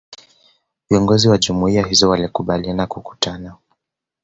Viongozi wa Jumuiya hizo walikubaliana kukutana